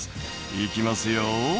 「行きますよ」